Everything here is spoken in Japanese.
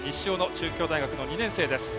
中京大学の２年生です。